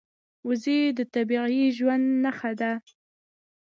وزې د طبیعي ژوند نښه ده